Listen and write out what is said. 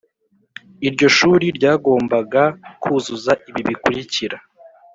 Iryo shuri ryagombaga kuzuza ibi bikurikira